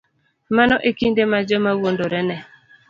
Mano e kinde ma joma wuondore ne